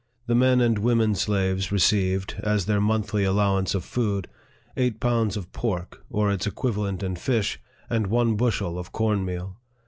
The men and women slaves received, as their monthly allowance of food, eight pounds of pork, or its equivalent in fish, and one bushel of corn meal.